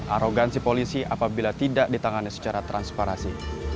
arogansi polisi apabila tidak ditangani secara transparansi